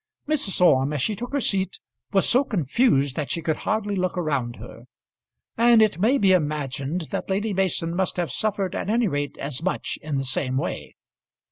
[Illustration: The Court.] Mrs. Orme as she took her seat was so confused that she could hardly look around her; and it may be imagined that Lady Mason must have suffered at any rate as much in the same way.